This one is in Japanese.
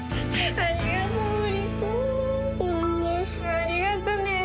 ありがとね。